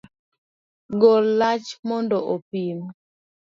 Gol lach mondo opim